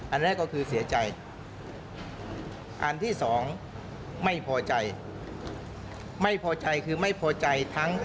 อันแรกก็คือเสียใจ